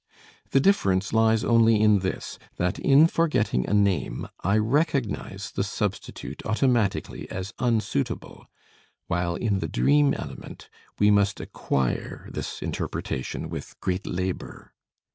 The difference lies only in this, that in forgetting a name I recognize the substitute automatically as unsuitable, while in the dream element we must acquire this interpretation with great labor.